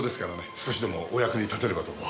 少しでもお役に立てればと。